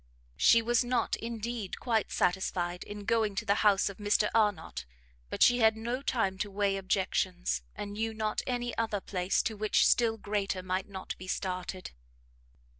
She was not, indeed, quite satisfied in going to the house of Mr Arnott, but she had no time to weigh objections, and knew not any other place to which still greater might not be started.